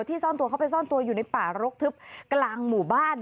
ซ่อนตัวเขาไปซ่อนตัวอยู่ในป่ารกทึบกลางหมู่บ้าน